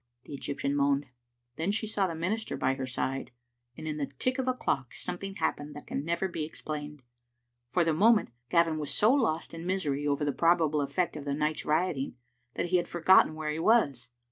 the Egyptian moaned. Then she saw the minister by her side, and in the tick of a clock something happened that can never be explained. For the moment Gavin was so lost in mis ery over the probable effect of the night's rioting that he had forgotten where he was.